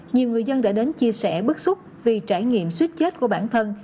nhiều người dân đã đến chia sẻ bức xúc vì trải nghiệm suyết chết của bản thân